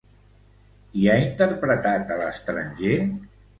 I ha interpretat a l'estranger?